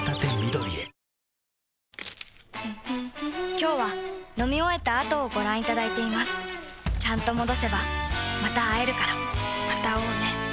今日は飲み終えた後をご覧いただいていますちゃんと戻せばまた会えるからまた会おうね。